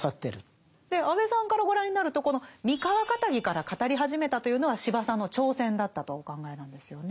安部さんからご覧になるとこの三河かたぎから語り始めたというのは司馬さんの挑戦だったとお考えなんですよね。